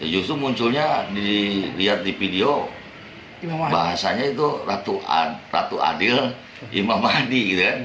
justru munculnya dilihat di video bahasanya itu ratu adil imam mahdi